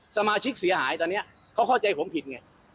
สมาชิกเสียหายตอนนี้เขาเข้าใจผมผิดไง